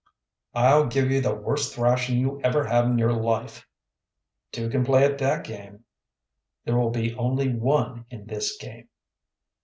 "I'll give you the worst thrashing you ever had in your life." "Two can play at that game." "There will be only one in this game."